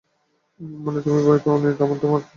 মানে, তুমি ভয়ই পাওনি আর তোমার ঠোট কাপছে।